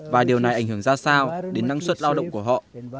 và điều này ảnh hưởng ra sao đến năng suất lao động của họ